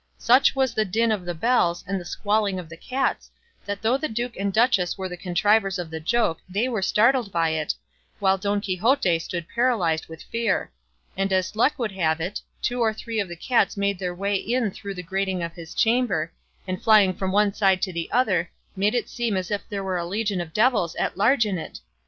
Such was the din of the bells and the squalling of the cats, that though the duke and duchess were the contrivers of the joke they were startled by it, while Don Quixote stood paralysed with fear; and as luck would have it, two or three of the cats made their way in through the grating of his chamber, and flying from one side to the other, made it seem as if there was a legion of devils at large in it.